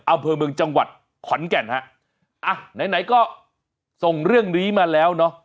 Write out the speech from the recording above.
อำเภอเมืองจังหวัดขอนแก่นฮะอ่ะไหนไหนก็ส่งเรื่องนี้มาแล้วเนอะ